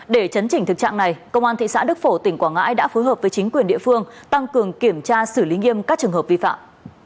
để chấn chỉnh thực trạng này công an thị xã đức phổ tỉnh quảng ngãi đã phối hợp với chính quyền địa phương tăng cường kiểm tra xử lý nghiêm các trường hợp vi phạm